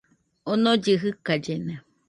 Onollɨ jɨkallena